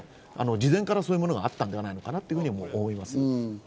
事前にそういうものがあったんじゃないかなと思います。